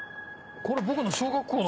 これ僕の小学校の。